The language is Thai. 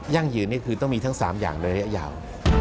ั่งยืนนี่คือต้องมีทั้ง๓อย่างในระยะยาว